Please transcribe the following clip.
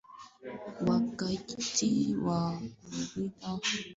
Wakati makabila mengine huziba masikio yao na mbao sehemu walipotoboa